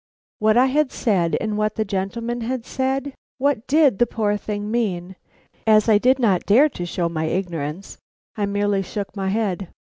What I had said and what the gentleman had said! What did the poor thing mean? As I did not dare to show my ignorance, I merely shook my head.